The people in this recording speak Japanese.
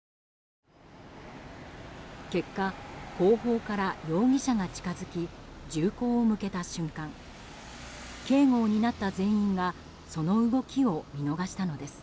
結果、後方から容疑者が近づき銃口を向けた瞬間警護を担った全員がその動きを見逃したのです。